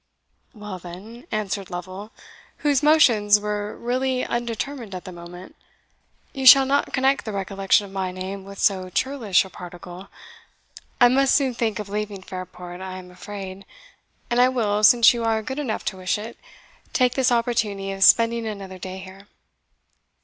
"Well, then," answered Lovel, whose motions were really undetermined at the moment, "you shall not connect the recollection of my name with so churlish a particle. I must soon think of leaving Fairport, I am afraid and I will, since you are good enough to wish it, take this opportunity of spending another day here."